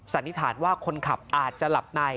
สันนิษฐานว่าคนขับอาจจะหลับใน